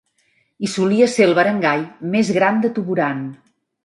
I solia ser el barangay més gran de Tuburan.